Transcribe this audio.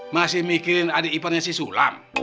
masih mikirin adik iparnya si sulam